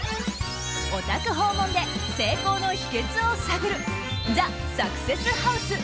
お宅訪問で成功の秘訣を探るＴＨＥサクセスハウス